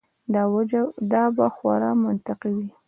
دا به خورا منطقي وي.